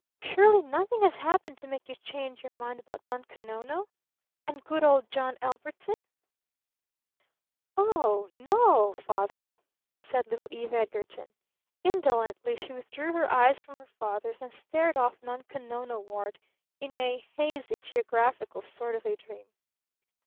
"Surely nothing has happened to make you change your mind about Nunko Nono? And good old John Ellbertson?" "Oh no Father," said little Eve Edgarton. Indolently she withdrew her eyes from her father's and stared off Nunko Nonoward in a hazy, geographical sort of a dream.